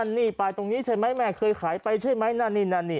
นี่ไปตรงนี้ใช่ไหมแม่เคยขายไปใช่ไหมนั่นนี่นั่นนี่